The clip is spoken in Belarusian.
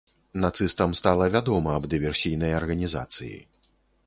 Нацыстам стала вядома аб дыверсійнай арганізацыі.